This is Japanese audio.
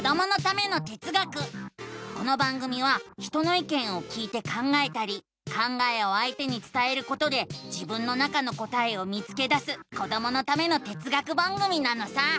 この番組は人のいけんを聞いて考えたり考えをあいてにつたえることで自分の中の答えを見つけだすこどものための哲学番組なのさ！